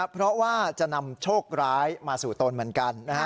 เพราะว่าจะนำโชคร้ายมาสู่ตนเหมือนกัน